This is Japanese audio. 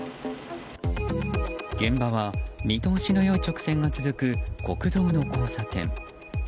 現場は見通しの良い直線が続く国道の交差点。